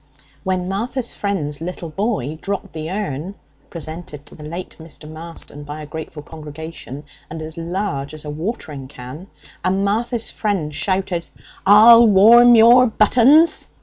When Martha's friend's little boy dropped the urn presented to the late Mr. Marston by a grateful congregation, and as large as a watering can and Martha's friend shouted, 'I'll warm your buttons!'